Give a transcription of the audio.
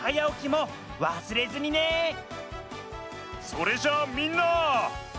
それじゃあみんな。